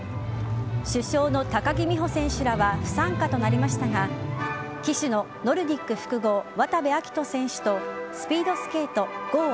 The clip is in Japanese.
主将の高木美帆選手らは不参加となりましたが旗手のノルディック複合渡部暁斗選手とスピードスケート郷